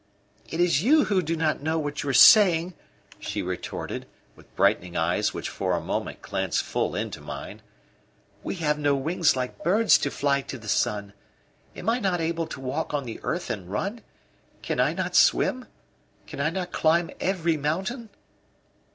'" "It is you who do not know what you are saying," she retorted, with brightening eyes which for a moment glanced full into mine. "We have no wings like birds to fly to the sun. Am I not able to walk on the earth, and run? Can I not swim? Can I not climb every mountain?"